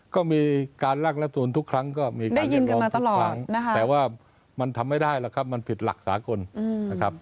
ก็มีการลากรัฐตูนทุกครั้งก็มีการเรียกร้องมาทุกครั้งแต่ว่ามันทำไม่ได้หรอกครับมันผิดหลักสากลนะครับ